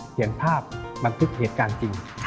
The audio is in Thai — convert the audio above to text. เห็นภาพบันทึกเหตุการณ์จริง